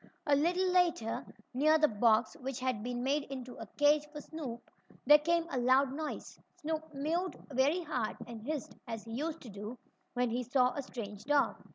A little later, near the box which had been made into a cage for Snoop, there came a loud noise. Snoop meowed very hard, and hissed as he used to do when he saw a strange dog.